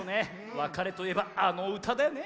わかれといえばあのうただよね。